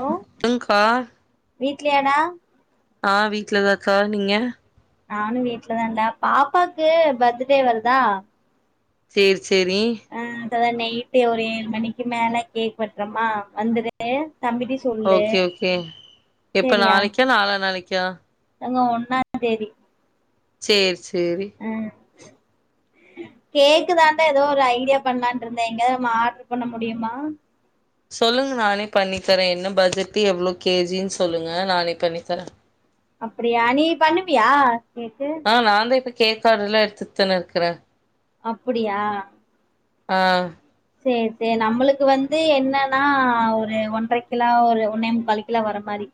hello ம் கா வீட்லயாடா ஆ வீட்லதாக்கா நீங்க நானு வீட்லதான்ட பாப்பாக்கு பர்த்டே வருதா சேரி சேரி ஆ அத நைட்டு ஒரு ஏழு மணிக்கு மேல கேக் வெட்றோமா வந்துரு தம்பிட்டயு சொல்லு ஓகே ஓகே எப்ப நாளைக்கா நால நாளைக்கா அங்க ஒன்னாந்தேதி சேர் சேரி ம் கேக்கு தான் டா ஏதோ ஒரு ஐடியா பண்ணலான் இருந்தே எங்கயாது நம்ம ஆட்ரு பண்ண முடியுமா சொல்லுங்க நானே பண்ணித்தரே என்ன பட்ஜெட்டு எவ்ளோ கேஜினு சொல்லுங்க நானே பண்ணித்தரே அப்டியா நீ பண்ணுவியா கேக்கு ஆ நா தா இப்போ கேக் ஆர்டர்லா எடுத்துட் தானே இருக்குறே அப்புடியா ஆ சேர் சேரி நம்மளுக்கு வந்து என்னன்னா ஒரு ஒன்றக் கிலோ ஒரு ஒன்னே முக்கால் கிலோ வர்ற மாரி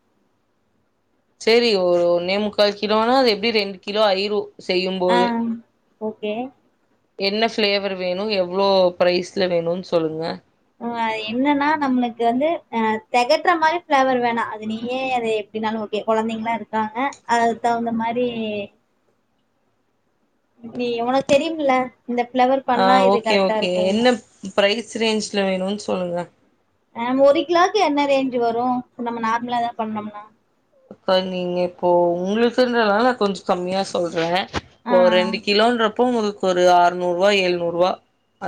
சேரி ஒரு ஒன்னேமுக்கால் கிலோனா அது எப்டியு ரெண்டு கிலோ ஆயிரு ஆ செய்யும்போது ஓகே என்ன ஃப்ளேவர் வேணு எவ்ளோ ப்ரைஸ்ல வேணுன்னு சொல்லுங்க அது என்னன்னா நம்மளுக்கு வந்து அ தெகட்ற மாரி ஃபிளேவர் வேணா அது நீயே எப் எப்டின்னாலு ஓகே கொழந்தைங்ளா இருக்காங்க அது அதுக் தகுந்தா மாரி நீ உனக்கு தெரியும்ல இந்த ஃபிளவர் ஆ ஓகே ஓகே என்ன ப்ரைஸ் ரேஞ்சில வேணுன்னு சொல்லுங்க ஆ ஒரு கிலோவுக்கு என்ன ரேஞ்ச் வரு நம்ம நார்மலா தா பண்ணோம்னா அக்கா நீங்க இப்போ உங்களுக்குன்றனால கொஞ்சோ கம்மியா சொல்றே ஆ இப்போ ரெண்டு கிலோன்றப் அப்போ உங்களுக்கு ஒரு அறுநூரூவா எழுநூரூவா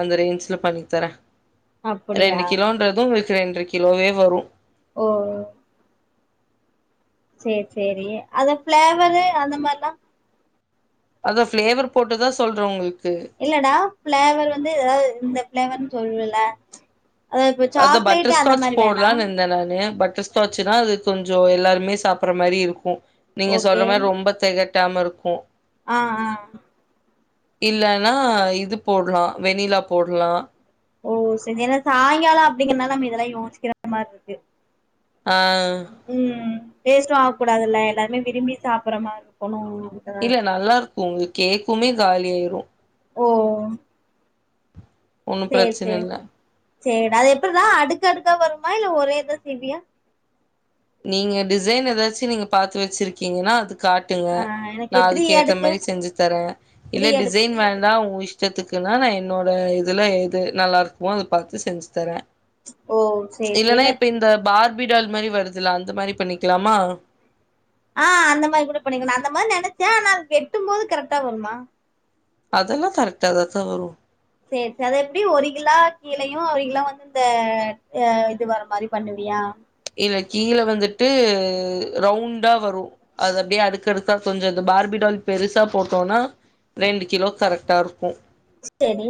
அந்த ரேஞ்சில பண்ணி தரே அப்டியா ரெண்டு கிலோன்றது உங்களுக்கு ரெண்ற கிலோவே வரு ஓ ஓ சேர சேரி அந்த ஃப்ளேவரு அந்த மாரில்லா அதா ஃப்ளேவர் போட்டுதா சொல்ற உங்களுக்கு இல்லடா ஃப்ளேவர் வந்து ஏதாது இந்த ஃப்ளேவர்னு சொல்லுவெல்ல அதா பட்டர் ஸ்காட்ச் வேணா போட்லானு இருந்த நானு பட்டர் டர் ஸ்காச்சுன்னா அது கொஞ்சோ எல்லாருமே சாப்புட்ற மாரி இருக்கு நீங்க ஓகே சொல்ற மாரி ரொம்ப தெகட் ட்டாம இருக்கு ஆ ஆ இல்லன்னா இது போட்லா வெண்ணிலா போட்லா ஓ செரி ஏன்னா சாயங்காலோ அப்டிங்கறனால நம்ம இதெல்லா யோசிக்கிற மாரி இருக்கு ஆ ம் வேஸ்ட்டு ஆகக்கூடாதுல்ல எல்லாருமே விரும்பி சாப்பட்ற மாரி இருக்கணு இல்ல நல்லாருக்கு உங்களுக்கு கேக்குமே காலியாயிறு ஓ ஓ ஓ ஒன்னும் சேர் பிரச்சன சேர் இல்ல சேரிடா அது எப்பிற்றா அடுக்கு அடுக்கா வருமா இல்ல ஒரேஇதா செய்வியா நீங்க டிசைன் ஏதாச்சு நீங்க பாத்து வச்சிருக்கீங்கன்னா அது காட் டுங்க ஆ எனக்கு நா த்ரீ அதுக்கு ஏத்த அடுக்கு மாதி செஞ்சு தரே த்ரீ இல்ல அடுக்கு டிசைன் வேண்டா உ இஷ் ஸ்டத்துக்குன்னா நா என்னோட இதுல எது நல்லா இருக்குமோ அத பாத்து செஞ்சு தரே ஓ சேரி சேரி இல்லன்னா இல்ல இப்ப இந்த பார்பிடால் மாரி வருதுல்ல அந்த மாரி பண்ணிக்கலாமா ஆ அந்த மாரி கூட பண்ணிக்கலா அந்த மாரி நெனைச்சே ஆனா அது வெட்டும் போது கரக்டா வருமா அதல்லா கரக்டா தாக்கா வரு சேரி சேர் அது எப்டி ஒரு கிலா கீழயு ஒரு கிலா வந்து இந்த அ இது வர மாரி பண்ணுவியா இல்ல கீழ வந்துட்டு ரவுண்டா வரு அது அப்டியே அடுக்கடுக் கா கொஞ்ச அந்த பார்பிடால் பெருசா போட்டோனா ரெண்டு கிலோ கரக்டா இருக்கு செரி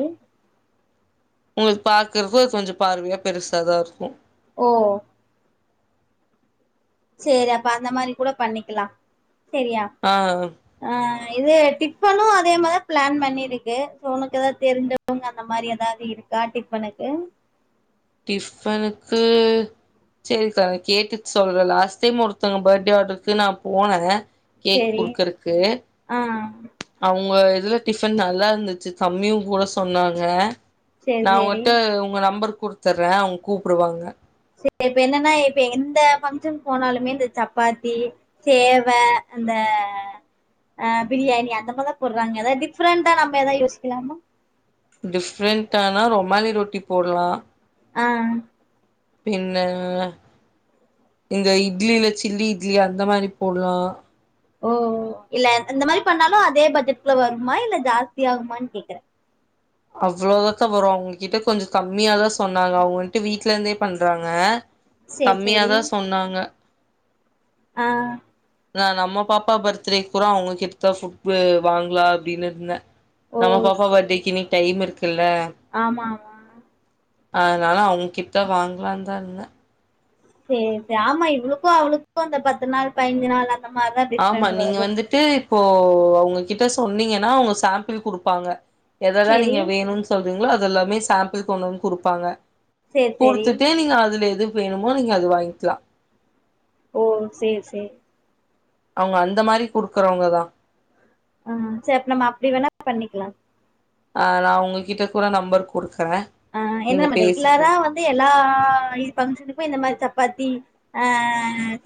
ஒங்களுக்கு பாக்கறதுக்கு அது கொஞ்சோ பார்வையா பெருசா தா இருக்கு ஓ சேரி அப்ப அந்த மாரி கூட பண்ணிக்கலா சேரியா ஆ ஆ ஆ இது டிப்பனு அதே மாரிதா பிளான் பண்ணிருக்கு சோ ஒனக்கு எதா தெருன்சா இவுங்க அந்த மாரி ஏதாவது இருக்கா டிப்பனுக்கு டிஃபனுக்கு சேரிக்கா நா கேட்டுட்டு சொல்றே லாஸ்ட் டைம் ஒருத்தங்க பர்ட்டே ஆடருக்கு நா போனே கேக் சேரி குடுக்கறக்கு ஆ ஆ அவுங்க இதுல டிஃபன் நல்லா இருந்துச்சு கம்மியு கூட சொன்னாங்க சேரி நா சேரி அவுங்கட்ட ஒங்க நம்பர் குடுத்தற்றே அவ்ங்க கூப்புடுவாங்க சேர் இப்ப என்னனா இப்ப எந்த பங்சன் போனாலுமே இந்த சப்பாத்தி சேவ அந்த ஆ பிரியாணி அந்த மாரிதா போட்றாங்க ஏதாவது டிஃப்ரண்ட்டா நம்ம எதா யோசிக்கலாமா டிஃப்ரண்டானா ரொமாலி ரொட்டி போட்லா ஆ ஆ பின்ன இந்த இட்லில சில்லி இட்லி அந்த மாதி போட்லா ஓ இல்ல அந்த மாரி பண்ணாலு அதே பட்ஜட் குல்ல வருமா இல்ல ஜாஸ்தியாகுமான் கேக்குறே அவ்ளோதாகா வரு அவ்ங்ககிட்ட கொஞ்ச கம்மியாதா சொன்னாங்க அவ்கள்ட வீட்ல இருந்தே பண்றாங்க சேரி சேரி கம்மியாதா சொன்னாங்க ஆ ஆ நா நம்ம பாப்பா பர்த்டேக் கூட அவ்ங்க கிட்த்தா ஃபுட்டு வாங்கலா அப்டீன்னு இருந்தே ஓ நம்ம பாப்பா பர்த்டேக்கி இன்னக்கி டைம் இருக்குல்ல ஆமா ஆமா அதுனால அவ்ங்ககிட்தா வாங்லான் தா இருந்தே சேர் சேர் ஆமா இவளுக்கு அவளுக்கு அந்த பத்து நாள் பயனஞ்சு நாள் அ ஆமா நீங்க வந்துட்டு இப்போ அவுங்ககிட்ட சொன்னீங்கன்னா அவுங்க சாம்பிள் குடுப்பாங்க எததா சேரி நீங்க வேணுன் சொல்றீங்களோ அதெல்லாமே சாம்பிள் கொண்டு வந்து குடுப்பாங்க சேரி சேரி குடுத்துட்டு நீங்க அதுல எது வேணுமோ நீங்க அது வாங்கிலா ஓ செரி செரி அவுங்க அந்த மாரி குடுக்குறவுங்க தா ஆ சரி நம்ம அப்படி வேணா பண்ணிக்கலா ஆ நா உங்ககிட்ட கூட நம்பர் குடுக்குறே ஆ இல்ல நீங்க நம்ம பேசிக்கோ ரெகுலரா வந்து எல்லா இது பங்க்ஷனுக்குமே இந்த மாதிரி சப்பாத்தி ஆ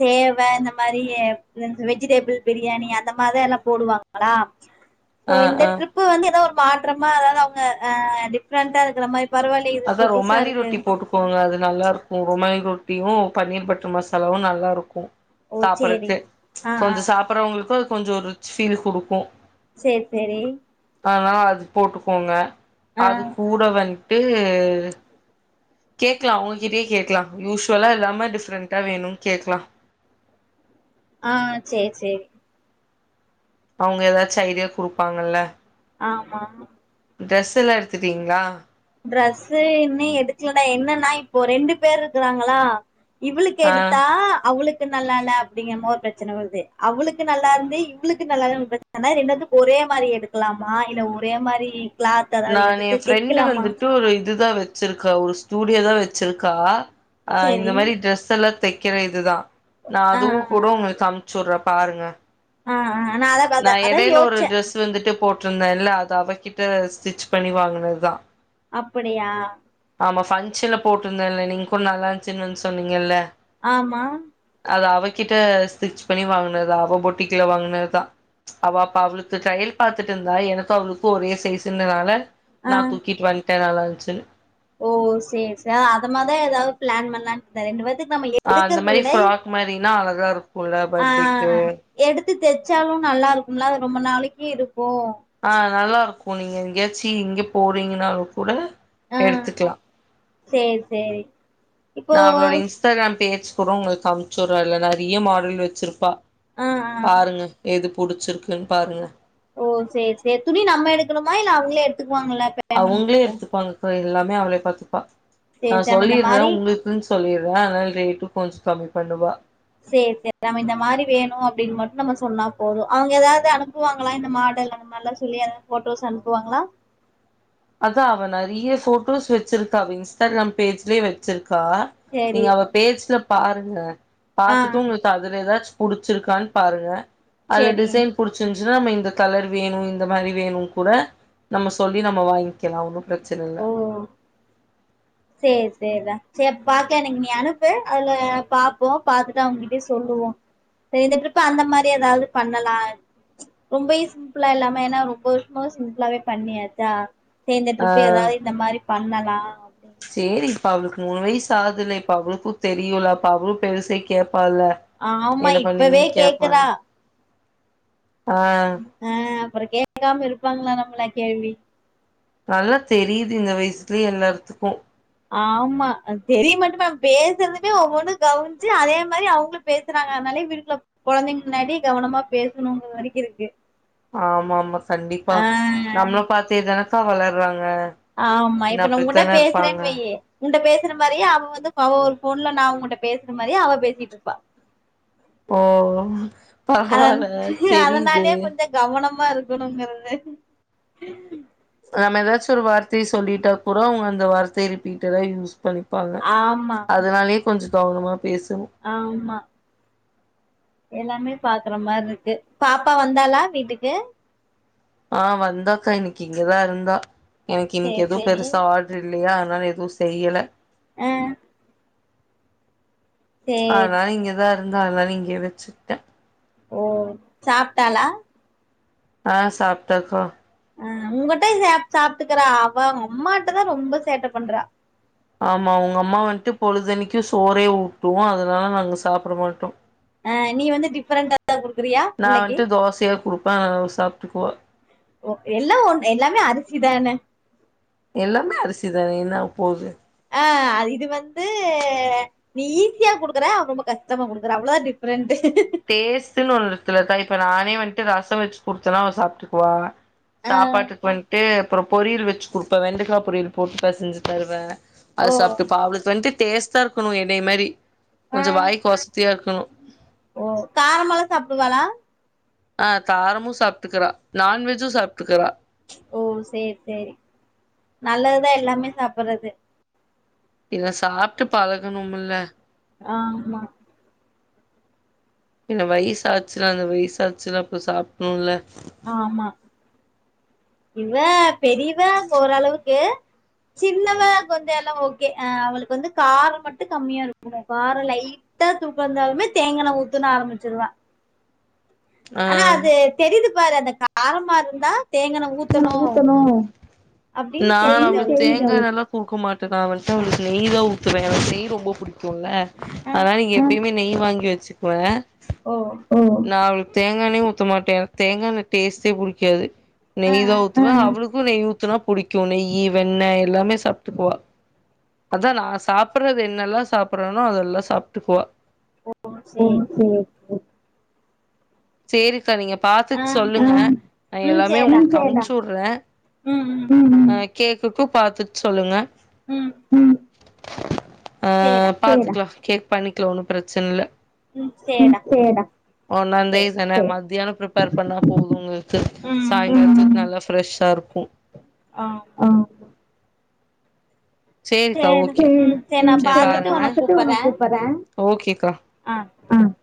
தேவ இந்த மாதிரி வெஜிடேபிள் பிரியாணி அந்த மாதிரி தா எல்லா போடுவாங்களா சோ ஆ இந்த ஆ ட்ரிப்பு வந்து ஏதோ ஒரு மாற்றமா அதாவது அவங்க ஆ டிஃப்ரெண்டா இருக்குற மாதிரி பரவாயில்ல இது அதா புதுசா ரொமாலி ரொட்டி இருக்கு போட்டு போங்க அது நல்லாருக்கு ரொமாலி ரொட்டியு பன்னீர் பட்டர் மசலாவும் நல்லாருக்கும் ஓ சேரி சாப்புடுறதுக்கு ஆ ஆ கொஞ்சம் சாப்பிட்றவுங்களுக்கு அது கொஞ்சம் ஒரு ஃபீல் குடுக்கும் சேரி சேரி அதனால அது போட்டுக்கோங்க ஆ அது கூட வன்ட்டு கேக்கலா அவுங்ககிட்டே கேக்கலா யூஷுவலா இல்லாம டிஃப்ரெண்ட்டா வேணும்னு கேக்கலா ஆ சேரி சேரி அவுங்க ஏதாச்சும் ஐடியா குடுப்பாங்கல்ல ஆமா ட்ரெஸ் எல்லா எடுத்துட்டீங்களா ட்ரெஸ்ஸு இன்னும் எடுக்கலடா என்னன்னா இப்போ ரெண்டு பேர் இருக்குறாங்களா இவளுக்கு ஆ எடுத்தா அவளுக் கு நல்லால்ல அப்படிங்க மாரி ஒரு பிரச்சனை வருது அவளுக்கு நல்லாருந்து இவளுக்கு நல்லால்லன்னு பிரச்ச அதனால ரெண்டேத்துக்கு ஒரே மாரி எடுக்கலாமா இல்ல ஒரே மாரி கிளாத் அதாவது நான் எடுத்து என் ஃப்ரெண்டு தெக்கலாமா வந்துட்டு ஒரு இதுதா வச்சிருக்கா ஒரு ஸ்டூடியோ தா வச்சிருக்கா அ இந்த சேரி மாரி ட்ரெஸ்ஸெல்லா தைக்கிற இதுதா நா ஆ அதுவும் கூட உங்களுக்கு அனு ப்புச்சு விடுறேன் பாருங்க ஆ ஆ ஆ அத நா பாத்தே அதா எடையில ஒரு யோசிச்சே ட்ரெஸ் வந்துட்டு போட்ருந்தேன்ல அத அவகிட்ட ஸ்டிச் பண்ணி வாங்குனதுதா அப்படியா ஆமா ஃபங்க்ஷன்ல போட்ருந்தேன்ல நீங்க கூட நல்லாருந்துச்சுன்னு வந்து சொன்னீங்கல்ல ஆமா அது அவாகிட்ட ஸ்டிச் பண்ணி வாங்குனது தா அவ பொட்டிக்ல வாங்குனதுதா அவா அப்ப அவளுக்கு ட்ரயல் பாத்துட்டு இருந்தா எனக்கும் அவளுக்கும் ஒரே சைஸுன்னனால நா ஆ தூக்கிட்டு வன்ட்டே நல்லாருந்துச்சுனு ஓ சேரி சேரி நா அத மாரிதா எதாவது ஃப்ளான் பண்ணலானு இந்த ரெண்டு பேத்துக்கு நம்ம இப் ஆ அந்த மாரி ஃப்ராக் மாரினா அழகா இருக்கும்ல ஆ பெர்த்டேக்கு எடுத்து தெச்சாலு நல்லாருக்கும்ல அது ரொம்ப நாளைக்கு இருக்கும் ஆ நல்லாருக்கும் நீங்க எங்கேயாச்சும் இங்க போறீங்கனாலும் கூட ஆ எடுத்துக்கலாம் சேரி சேரி இப்போ நா அவளோட இன்ஸ்டாகிராம் பேஜ் கூட உங்களுக்கு அனுப்ச்சுடுறே அதுல நெறைய மாடல் வச்சிருப்பா ஆ ஆ பாருங்க எது புடிச்சிருக்குன் பாருங்க ஓ சேரி சேரி துணி நம்ம எடுக்கணுமா இல்ல அவுங்களே எடுத்துக்குவாங்களா அவுங்களே எடுத்துப்பாங்க தோழி எல்லாமே அவளே பாத்துப்பா சேரி நா சேரி நம்ம இந்த சொல்லிடுறே மாரி உங்களுக் குனு சொல்லிடுறே அதனால ரேட்டு கொஞ்சோ கம்மி பண்ணுவா சேரி சேரி நம்ம இந்த மாரி வேணும் அப்டின்னு மட்டும் நம்ம சொன்னா போதும் அவுங்க எதாவது அனுப்புவாங்களா இந்த மாடல் அந்த மாரிலா சொல்லி எதும் ஃபோட்டோஸ் அனுப்புவாங்களா அதா அவ நெறைய ஃபோட்டோஸ் வெச்சிருக்கா அவ இன்ஸ்டாகிராம் பேஜ்லயே வெச்சிருக்கா சேரி நீங்க அவ பேஜ்ல பாருங்க ஆ பாத்துட்டு உங்களுக்கு அதுல எதாச்சு புடிச்சிருக்கான்னு பாருங்க அதுல சேரி டிசைன் புடிச்சிருஞ்ச்சுனா நம்ம இந்த கலர் வேணு இந்த மாரி வேணுனு கூட நம்ம சொல்லி நம்ம வாங் கிக்கலா ஒன்னும் பிரச்சன இல்ல சேர் சேர்ரா சேரி அப்ப பாக்கே எனக்கு நீ அனுப்பு அதுல பாப்போ பாத்துட்டு அவுங்ககிட்டயே சொல்லுவோ இப்ப இந்த ட்ரிப்பு அந்த மாரி எதாவது பண்ணலா ரொம்பயு சிம்பிளா இல்லாம ஏனா ரொம்ப வருஷமாவே சிம்பிளாவே பண்ணியாச்சா சேர் இந்த ஆ ட்ரிப்பு எதாது இந்த மாரி பண்ணலா அப்டின்னு சேரி இப்ப அவளுக்கு மூணு வயசு ஆகுதுல இப்ப அவளுக்கு தெரியுல அப்ப அவளு பெருசே கேப்பால்ல ஆமா என்ன இப்பவே பண்ணீங்கன்னு கேப்பால்ல கேக்குறா ஆ ஆ அப்புற கேட்காம இருப்பாங்களா நம்மள கேள்வி நல்லா தெரியுது இந்த வயசுலயே எல்லார்த்துக்கு ஆமா தெரிய மட்டுமா பேசுறதுமே ஒவ்வொன்னு கவுனிச்சு அதே மாரி அவுங்களு பேசுறாங்க அதனாலே வீட்டுல கொழந்தைங்க முன்னாடி கவனமா பேசணுங்ர வரைக்கு இருக்கு ஆமா ஆமா கண்டிப்பா ஆ நம்மள பாத்தே தானேக்கா வளர்றாங்க ஆமா என்ன இப்ப நா உங்கிட்ட அப்டித்தான இருப்பாங்க பேசுறேன்னு வையி உன்ட்ட பேசுற மாரியே அவ வந்து அவ ஒரு ஃபோன்ல நா உங்கட்ட பேசுற மாரியே அவ பேசிட்டு இருப்பா ஓ அத பரவால்ல தெரியுது அதனாலயே கொஞ்சோ கவனமா இருக்கணுங்கிறது நம்ம எதாச்சு ஒரு வார்த்தைய சொல்லிட்டா கூட அவுங்க அந்த வார்த்தைய ரிப்பீட்டடா யூஸ் பண்ணிப்பாங்க ஆமா அதனாலயே கொஞ்ச கவனமா பேசனு ஆம்மா எல்லாமே பாக்குற மாரிருக்கு பாப்பா வந்தாளா வீட்டுக்கு ஆ வந்தாக்கா இன்னைக்கி இங்கதா இருந்தா எனக்கு இன்னைக்கி சேரி எதுவு சேரி பெருசா ஆர் டர் இல்லையா அதுனால எதுவு செய்யல ஆ சேரி அதனால இங்கதா இருந்தா அதனால இங்கேயே வெச்சுகிட்டே ஓ சாப்ட்டாளா ஆ சாப்ட்டாக்கா ம் உங்கட்ட சாப்ட் சாப்ட்டுக்குறா அவ அம்மாட்ட தா ரொம்ப சேட்ட பண்றா ஆமா அவுங்க அம்மா வந்ட்டு பொழுதன்னைக்கு சோறே ஊட்டு அதனால நாங்க சாப்ட மாட்டோ ஆ நீ வந்து டிஃபரெண்ட்டா எதா குடுக்குறியா பிள்ளைக்கு தோசைய குடுப் பே அவ சாப்ட்டுக்குவா ஓ எல்லா ஒன் எல்லாமே அரிசிதானே எல்லாமே அரிசிதா என்ன ஆகபோது ஆ இது வந்து நீ ஈஸியா குடுக்குற அவ ரொம்ப கஷ்டமா குடுக்குறா அவ்ளோதா டிஃப்ரெண்ட்டு டேஸ்ட்டுன்னு ஒன்னு இருக்குலக்கா இப்ப நானே வந்ட்டு ரசம் வச்சு குடுத்தேன்னா அவ சாப்ட்டுக்குவா ஆ சாப்பாட்டுக்கு வந்ட்டு அப்புற பொரியல் வச்சு குடுப்பே வெண்டக்கா பொரியல் போட்டு பெசஞ்சு தருவே ஓ அது சாப்ட்டுப்பா அவளுக்கு வந்ட்டு டேஸ்ட்டா இருக்கணு என்னைய மாரி ஆ கொஞ்ச வாய்க்கு ஒசத்தியா இருக்கணு ஓ காரமாலா சாப்டுவாளா ஆ காரமு சாப்ட்டுக்குறா நான்வெஜு சாப்ட்டுக்குறா ஓ செரி சரி நல்லதுதா எல்லாமே சாப்புறது இத சாப்ட்டு பழகணும்ல ஆமா இந்தமாரி சாய்ச்சுன்னா இந்த மாரி சாய்ச்சுனா அப்ப சாப்ணுல ஆமா இவ பெரியவ அங்க ஓரளவுக்கு சின்னவக்கு வந்து எல்லா ஓகே அ அவளுக்கு வந்து காரோ மட்டு கம்மியா இருக்கனு காரோ லைட் ட்டா தூக்கு இருந்தாலுமே தேங்கா எண்ணெ ஊத்துன்னு ஆரம்பிச்சிருவா ஆ ஆனா அது தெரிது பாரு அந்த காரமா இருந்தா தேங்கா எண்ணெ ஊத் எண்ணெ ஊத்தணு தெரியுது அப்டினு அவளுக்கு தெரிது அவளுக்கு குடுக்க மாட்டேதா அவன்ட வந்து அவளுக்கு நெய் தா ஊத்துவே ஏனா நெய் ரொம்ப புடிக்கும்ல ஆ அதா இங்க எப்பயுமே நெய் வாங்கி வச்சுக்குவே ஓ நா அவளுக்கு தேங்கா எண்ணெயே ஊத்த மாட்டே தேங்கா எண்ணெ டேஸ்ட்டே புடிக்காது ஆ நெய் தா ஊத் அவளுக்கு நெய்ஊத்துனா புடிக்கு நெய்யி வெண்ணெ எல்லாமே சாப்டுக்குவா அதா நா சாப்றது என்னெல்லா சாப்றேனோ அதெல்லா சாப்டுக்குவா ஓ சேரி செரி சேரி செரி டர் நீங்க பாத்து ஆ சொல்லுங்க நா ம் எல்லாரு சேர்டா உங்களுக்கு அனுப்சுடுறே ம் ம் நா கேட்டுட்டு பாத்துட்டு சொல்லுங்க ம் அ சேர்டா பாத்துக்லா கேக் பண்ணிக்கலா ஒண்ணு பிரச்சன இல்ல ம் சேர்டா சேரி ஒன்னாந்தேதன மத்தியானோ ப்ரிப்பேர் பண்ணா போது உங்களுக்கு ம் ம் சாயங்கரத்துக்கு நல்லா ஃப்ரெஷ்ஷா இருக்கு ஆ ஆ செரிக்கா சேரி ஓகே ம் சேரி நா செரி பாத்துட்டு உனக்கு பாருங்க கூப்பறே ஓகேக்கா அ ஆ